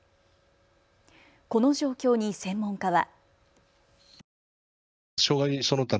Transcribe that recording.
この状況に専門家は。